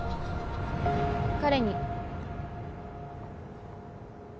彼に。